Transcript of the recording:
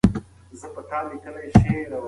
ژورنالیزم د تمدن او پرمختګ وسیله ده.